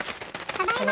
ただいま。